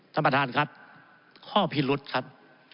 ท่านประธานครับข้อพิรุษครับ